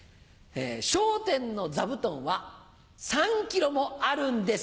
『笑点』の座布団は３ｋｇもあるんです。